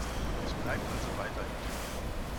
Es bleibt also weiterhin trocken.